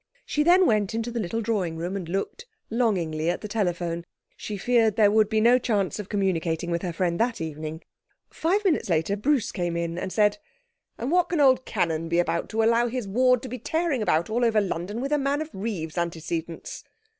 She then went into the little drawing room and looked longingly at the telephone. She feared there would be no chance of communicating with her friend that evening. Five minutes later Bruce came in and said 'And what can old Cannon be about to allow his ward to be tearing about all over London with a man of Reeve's antecedents?'